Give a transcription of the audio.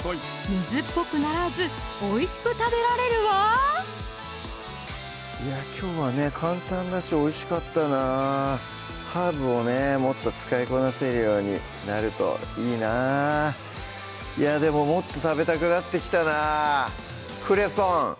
水っぽくならずおいしく食べられるわきょうはね簡単だしおいしかったなハーブをねもっと使いこなせるようになるといいないやでももっと食べたくなってきたなぁ